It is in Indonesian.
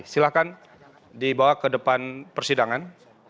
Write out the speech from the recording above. silahkan dibawa ke depan persidangan